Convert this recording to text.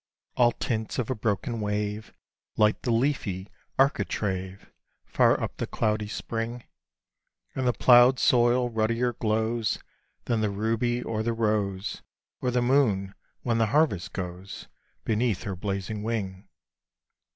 All tints of a broken wave Light the leafy architrave, Far up the cloudy spring; And the ploughed soil ruddier glows Than the ruby or the rose, Or the moon, when the harvest goes Beneath her blazing wing.